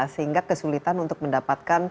sehingga kesulitan untuk mendapatkan